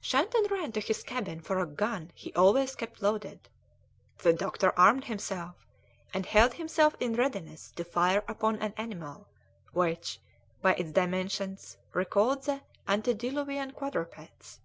Shandon ran to his cabin for a gun he always kept loaded. The doctor armed himself, and held himself in readiness to fire upon an animal which, by its dimensions, recalled the antediluvian quadrupeds.